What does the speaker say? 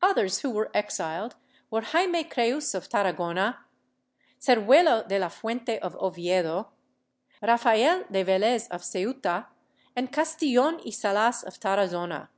Others who were exiled were Jaime Creus of Tarragona, Ceruelo de la Fuente of Oviedo, Rafael de Velez of Ceuta and Castillon y Salas of Tarazona.